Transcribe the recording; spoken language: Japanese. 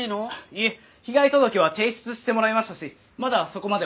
いえ被害届は提出してもらいましたしまだそこまでは。